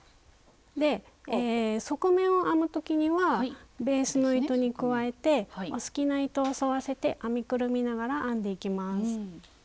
側面を編む時にはベースの糸に加えてお好きな糸を沿わせて編みくるみながら編んでいきます。